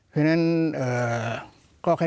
เพราะฉะนั้น